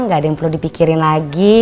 gak ada yang perlu dipikirin lagi